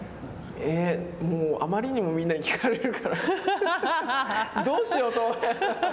えっ、もうあまりにもみんなに聞かれるからどうしようと思って。